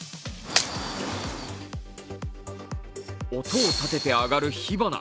音を立てて上がる火花。